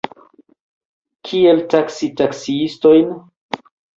Kiel taksi taksiistojn?